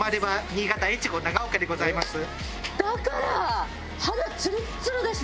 だから！